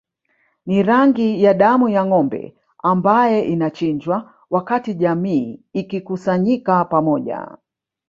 Ni rangi ya damu ya ngombe ambae anachinjwa wakati jamii ikikusanyika pamoja